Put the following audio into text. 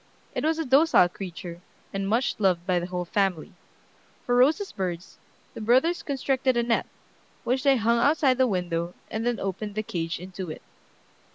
It was a docile creature, and much loved by the whole family. For Rosa's birds, the brothers constructed a net, which they hung outside the window, and then opened the cage into it.